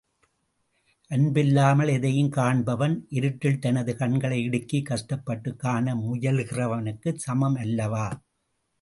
அன்பு இல்லாமல் எதையும் காண்பவன் இருட்டில் தனது கண்களை இடுக்கிக் கஷ்டப்பட்டுக் காண முயலுகிறவனுக்குச் சமம் அல்லவா?